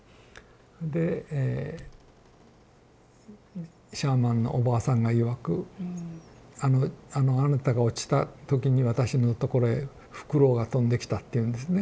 でシャーマンのおばあさんがいわく「あなたが落ちた時に私のところへフクロウが飛んできた」って言うんですね。